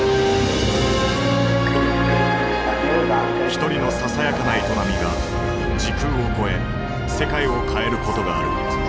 一人のささやかな営みが時空を超え世界を変えることがある。